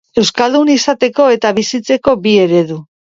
Euskaldun izateko eta bizitzeko bi eredu.